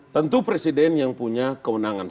tentu presiden yang punya kewenangan